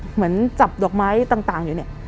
เหมือนจับดอกไม้ต่างอยู่เนี่ย